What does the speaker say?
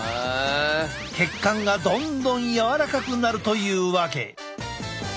血管がどんどん柔らかくなるというわけ。